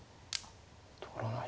取らない。